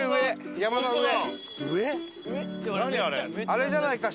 あれじゃないかしら？